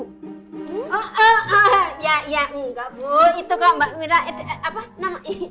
oh oh oh ya ya enggak bu itu kalau mbak mirna apa nama